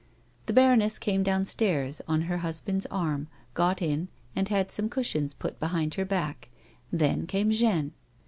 The baroness came downstairs on her husband's arm, got in, and had some cushions put behind her back ; then came Jeanne.